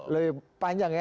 lebih panjang ya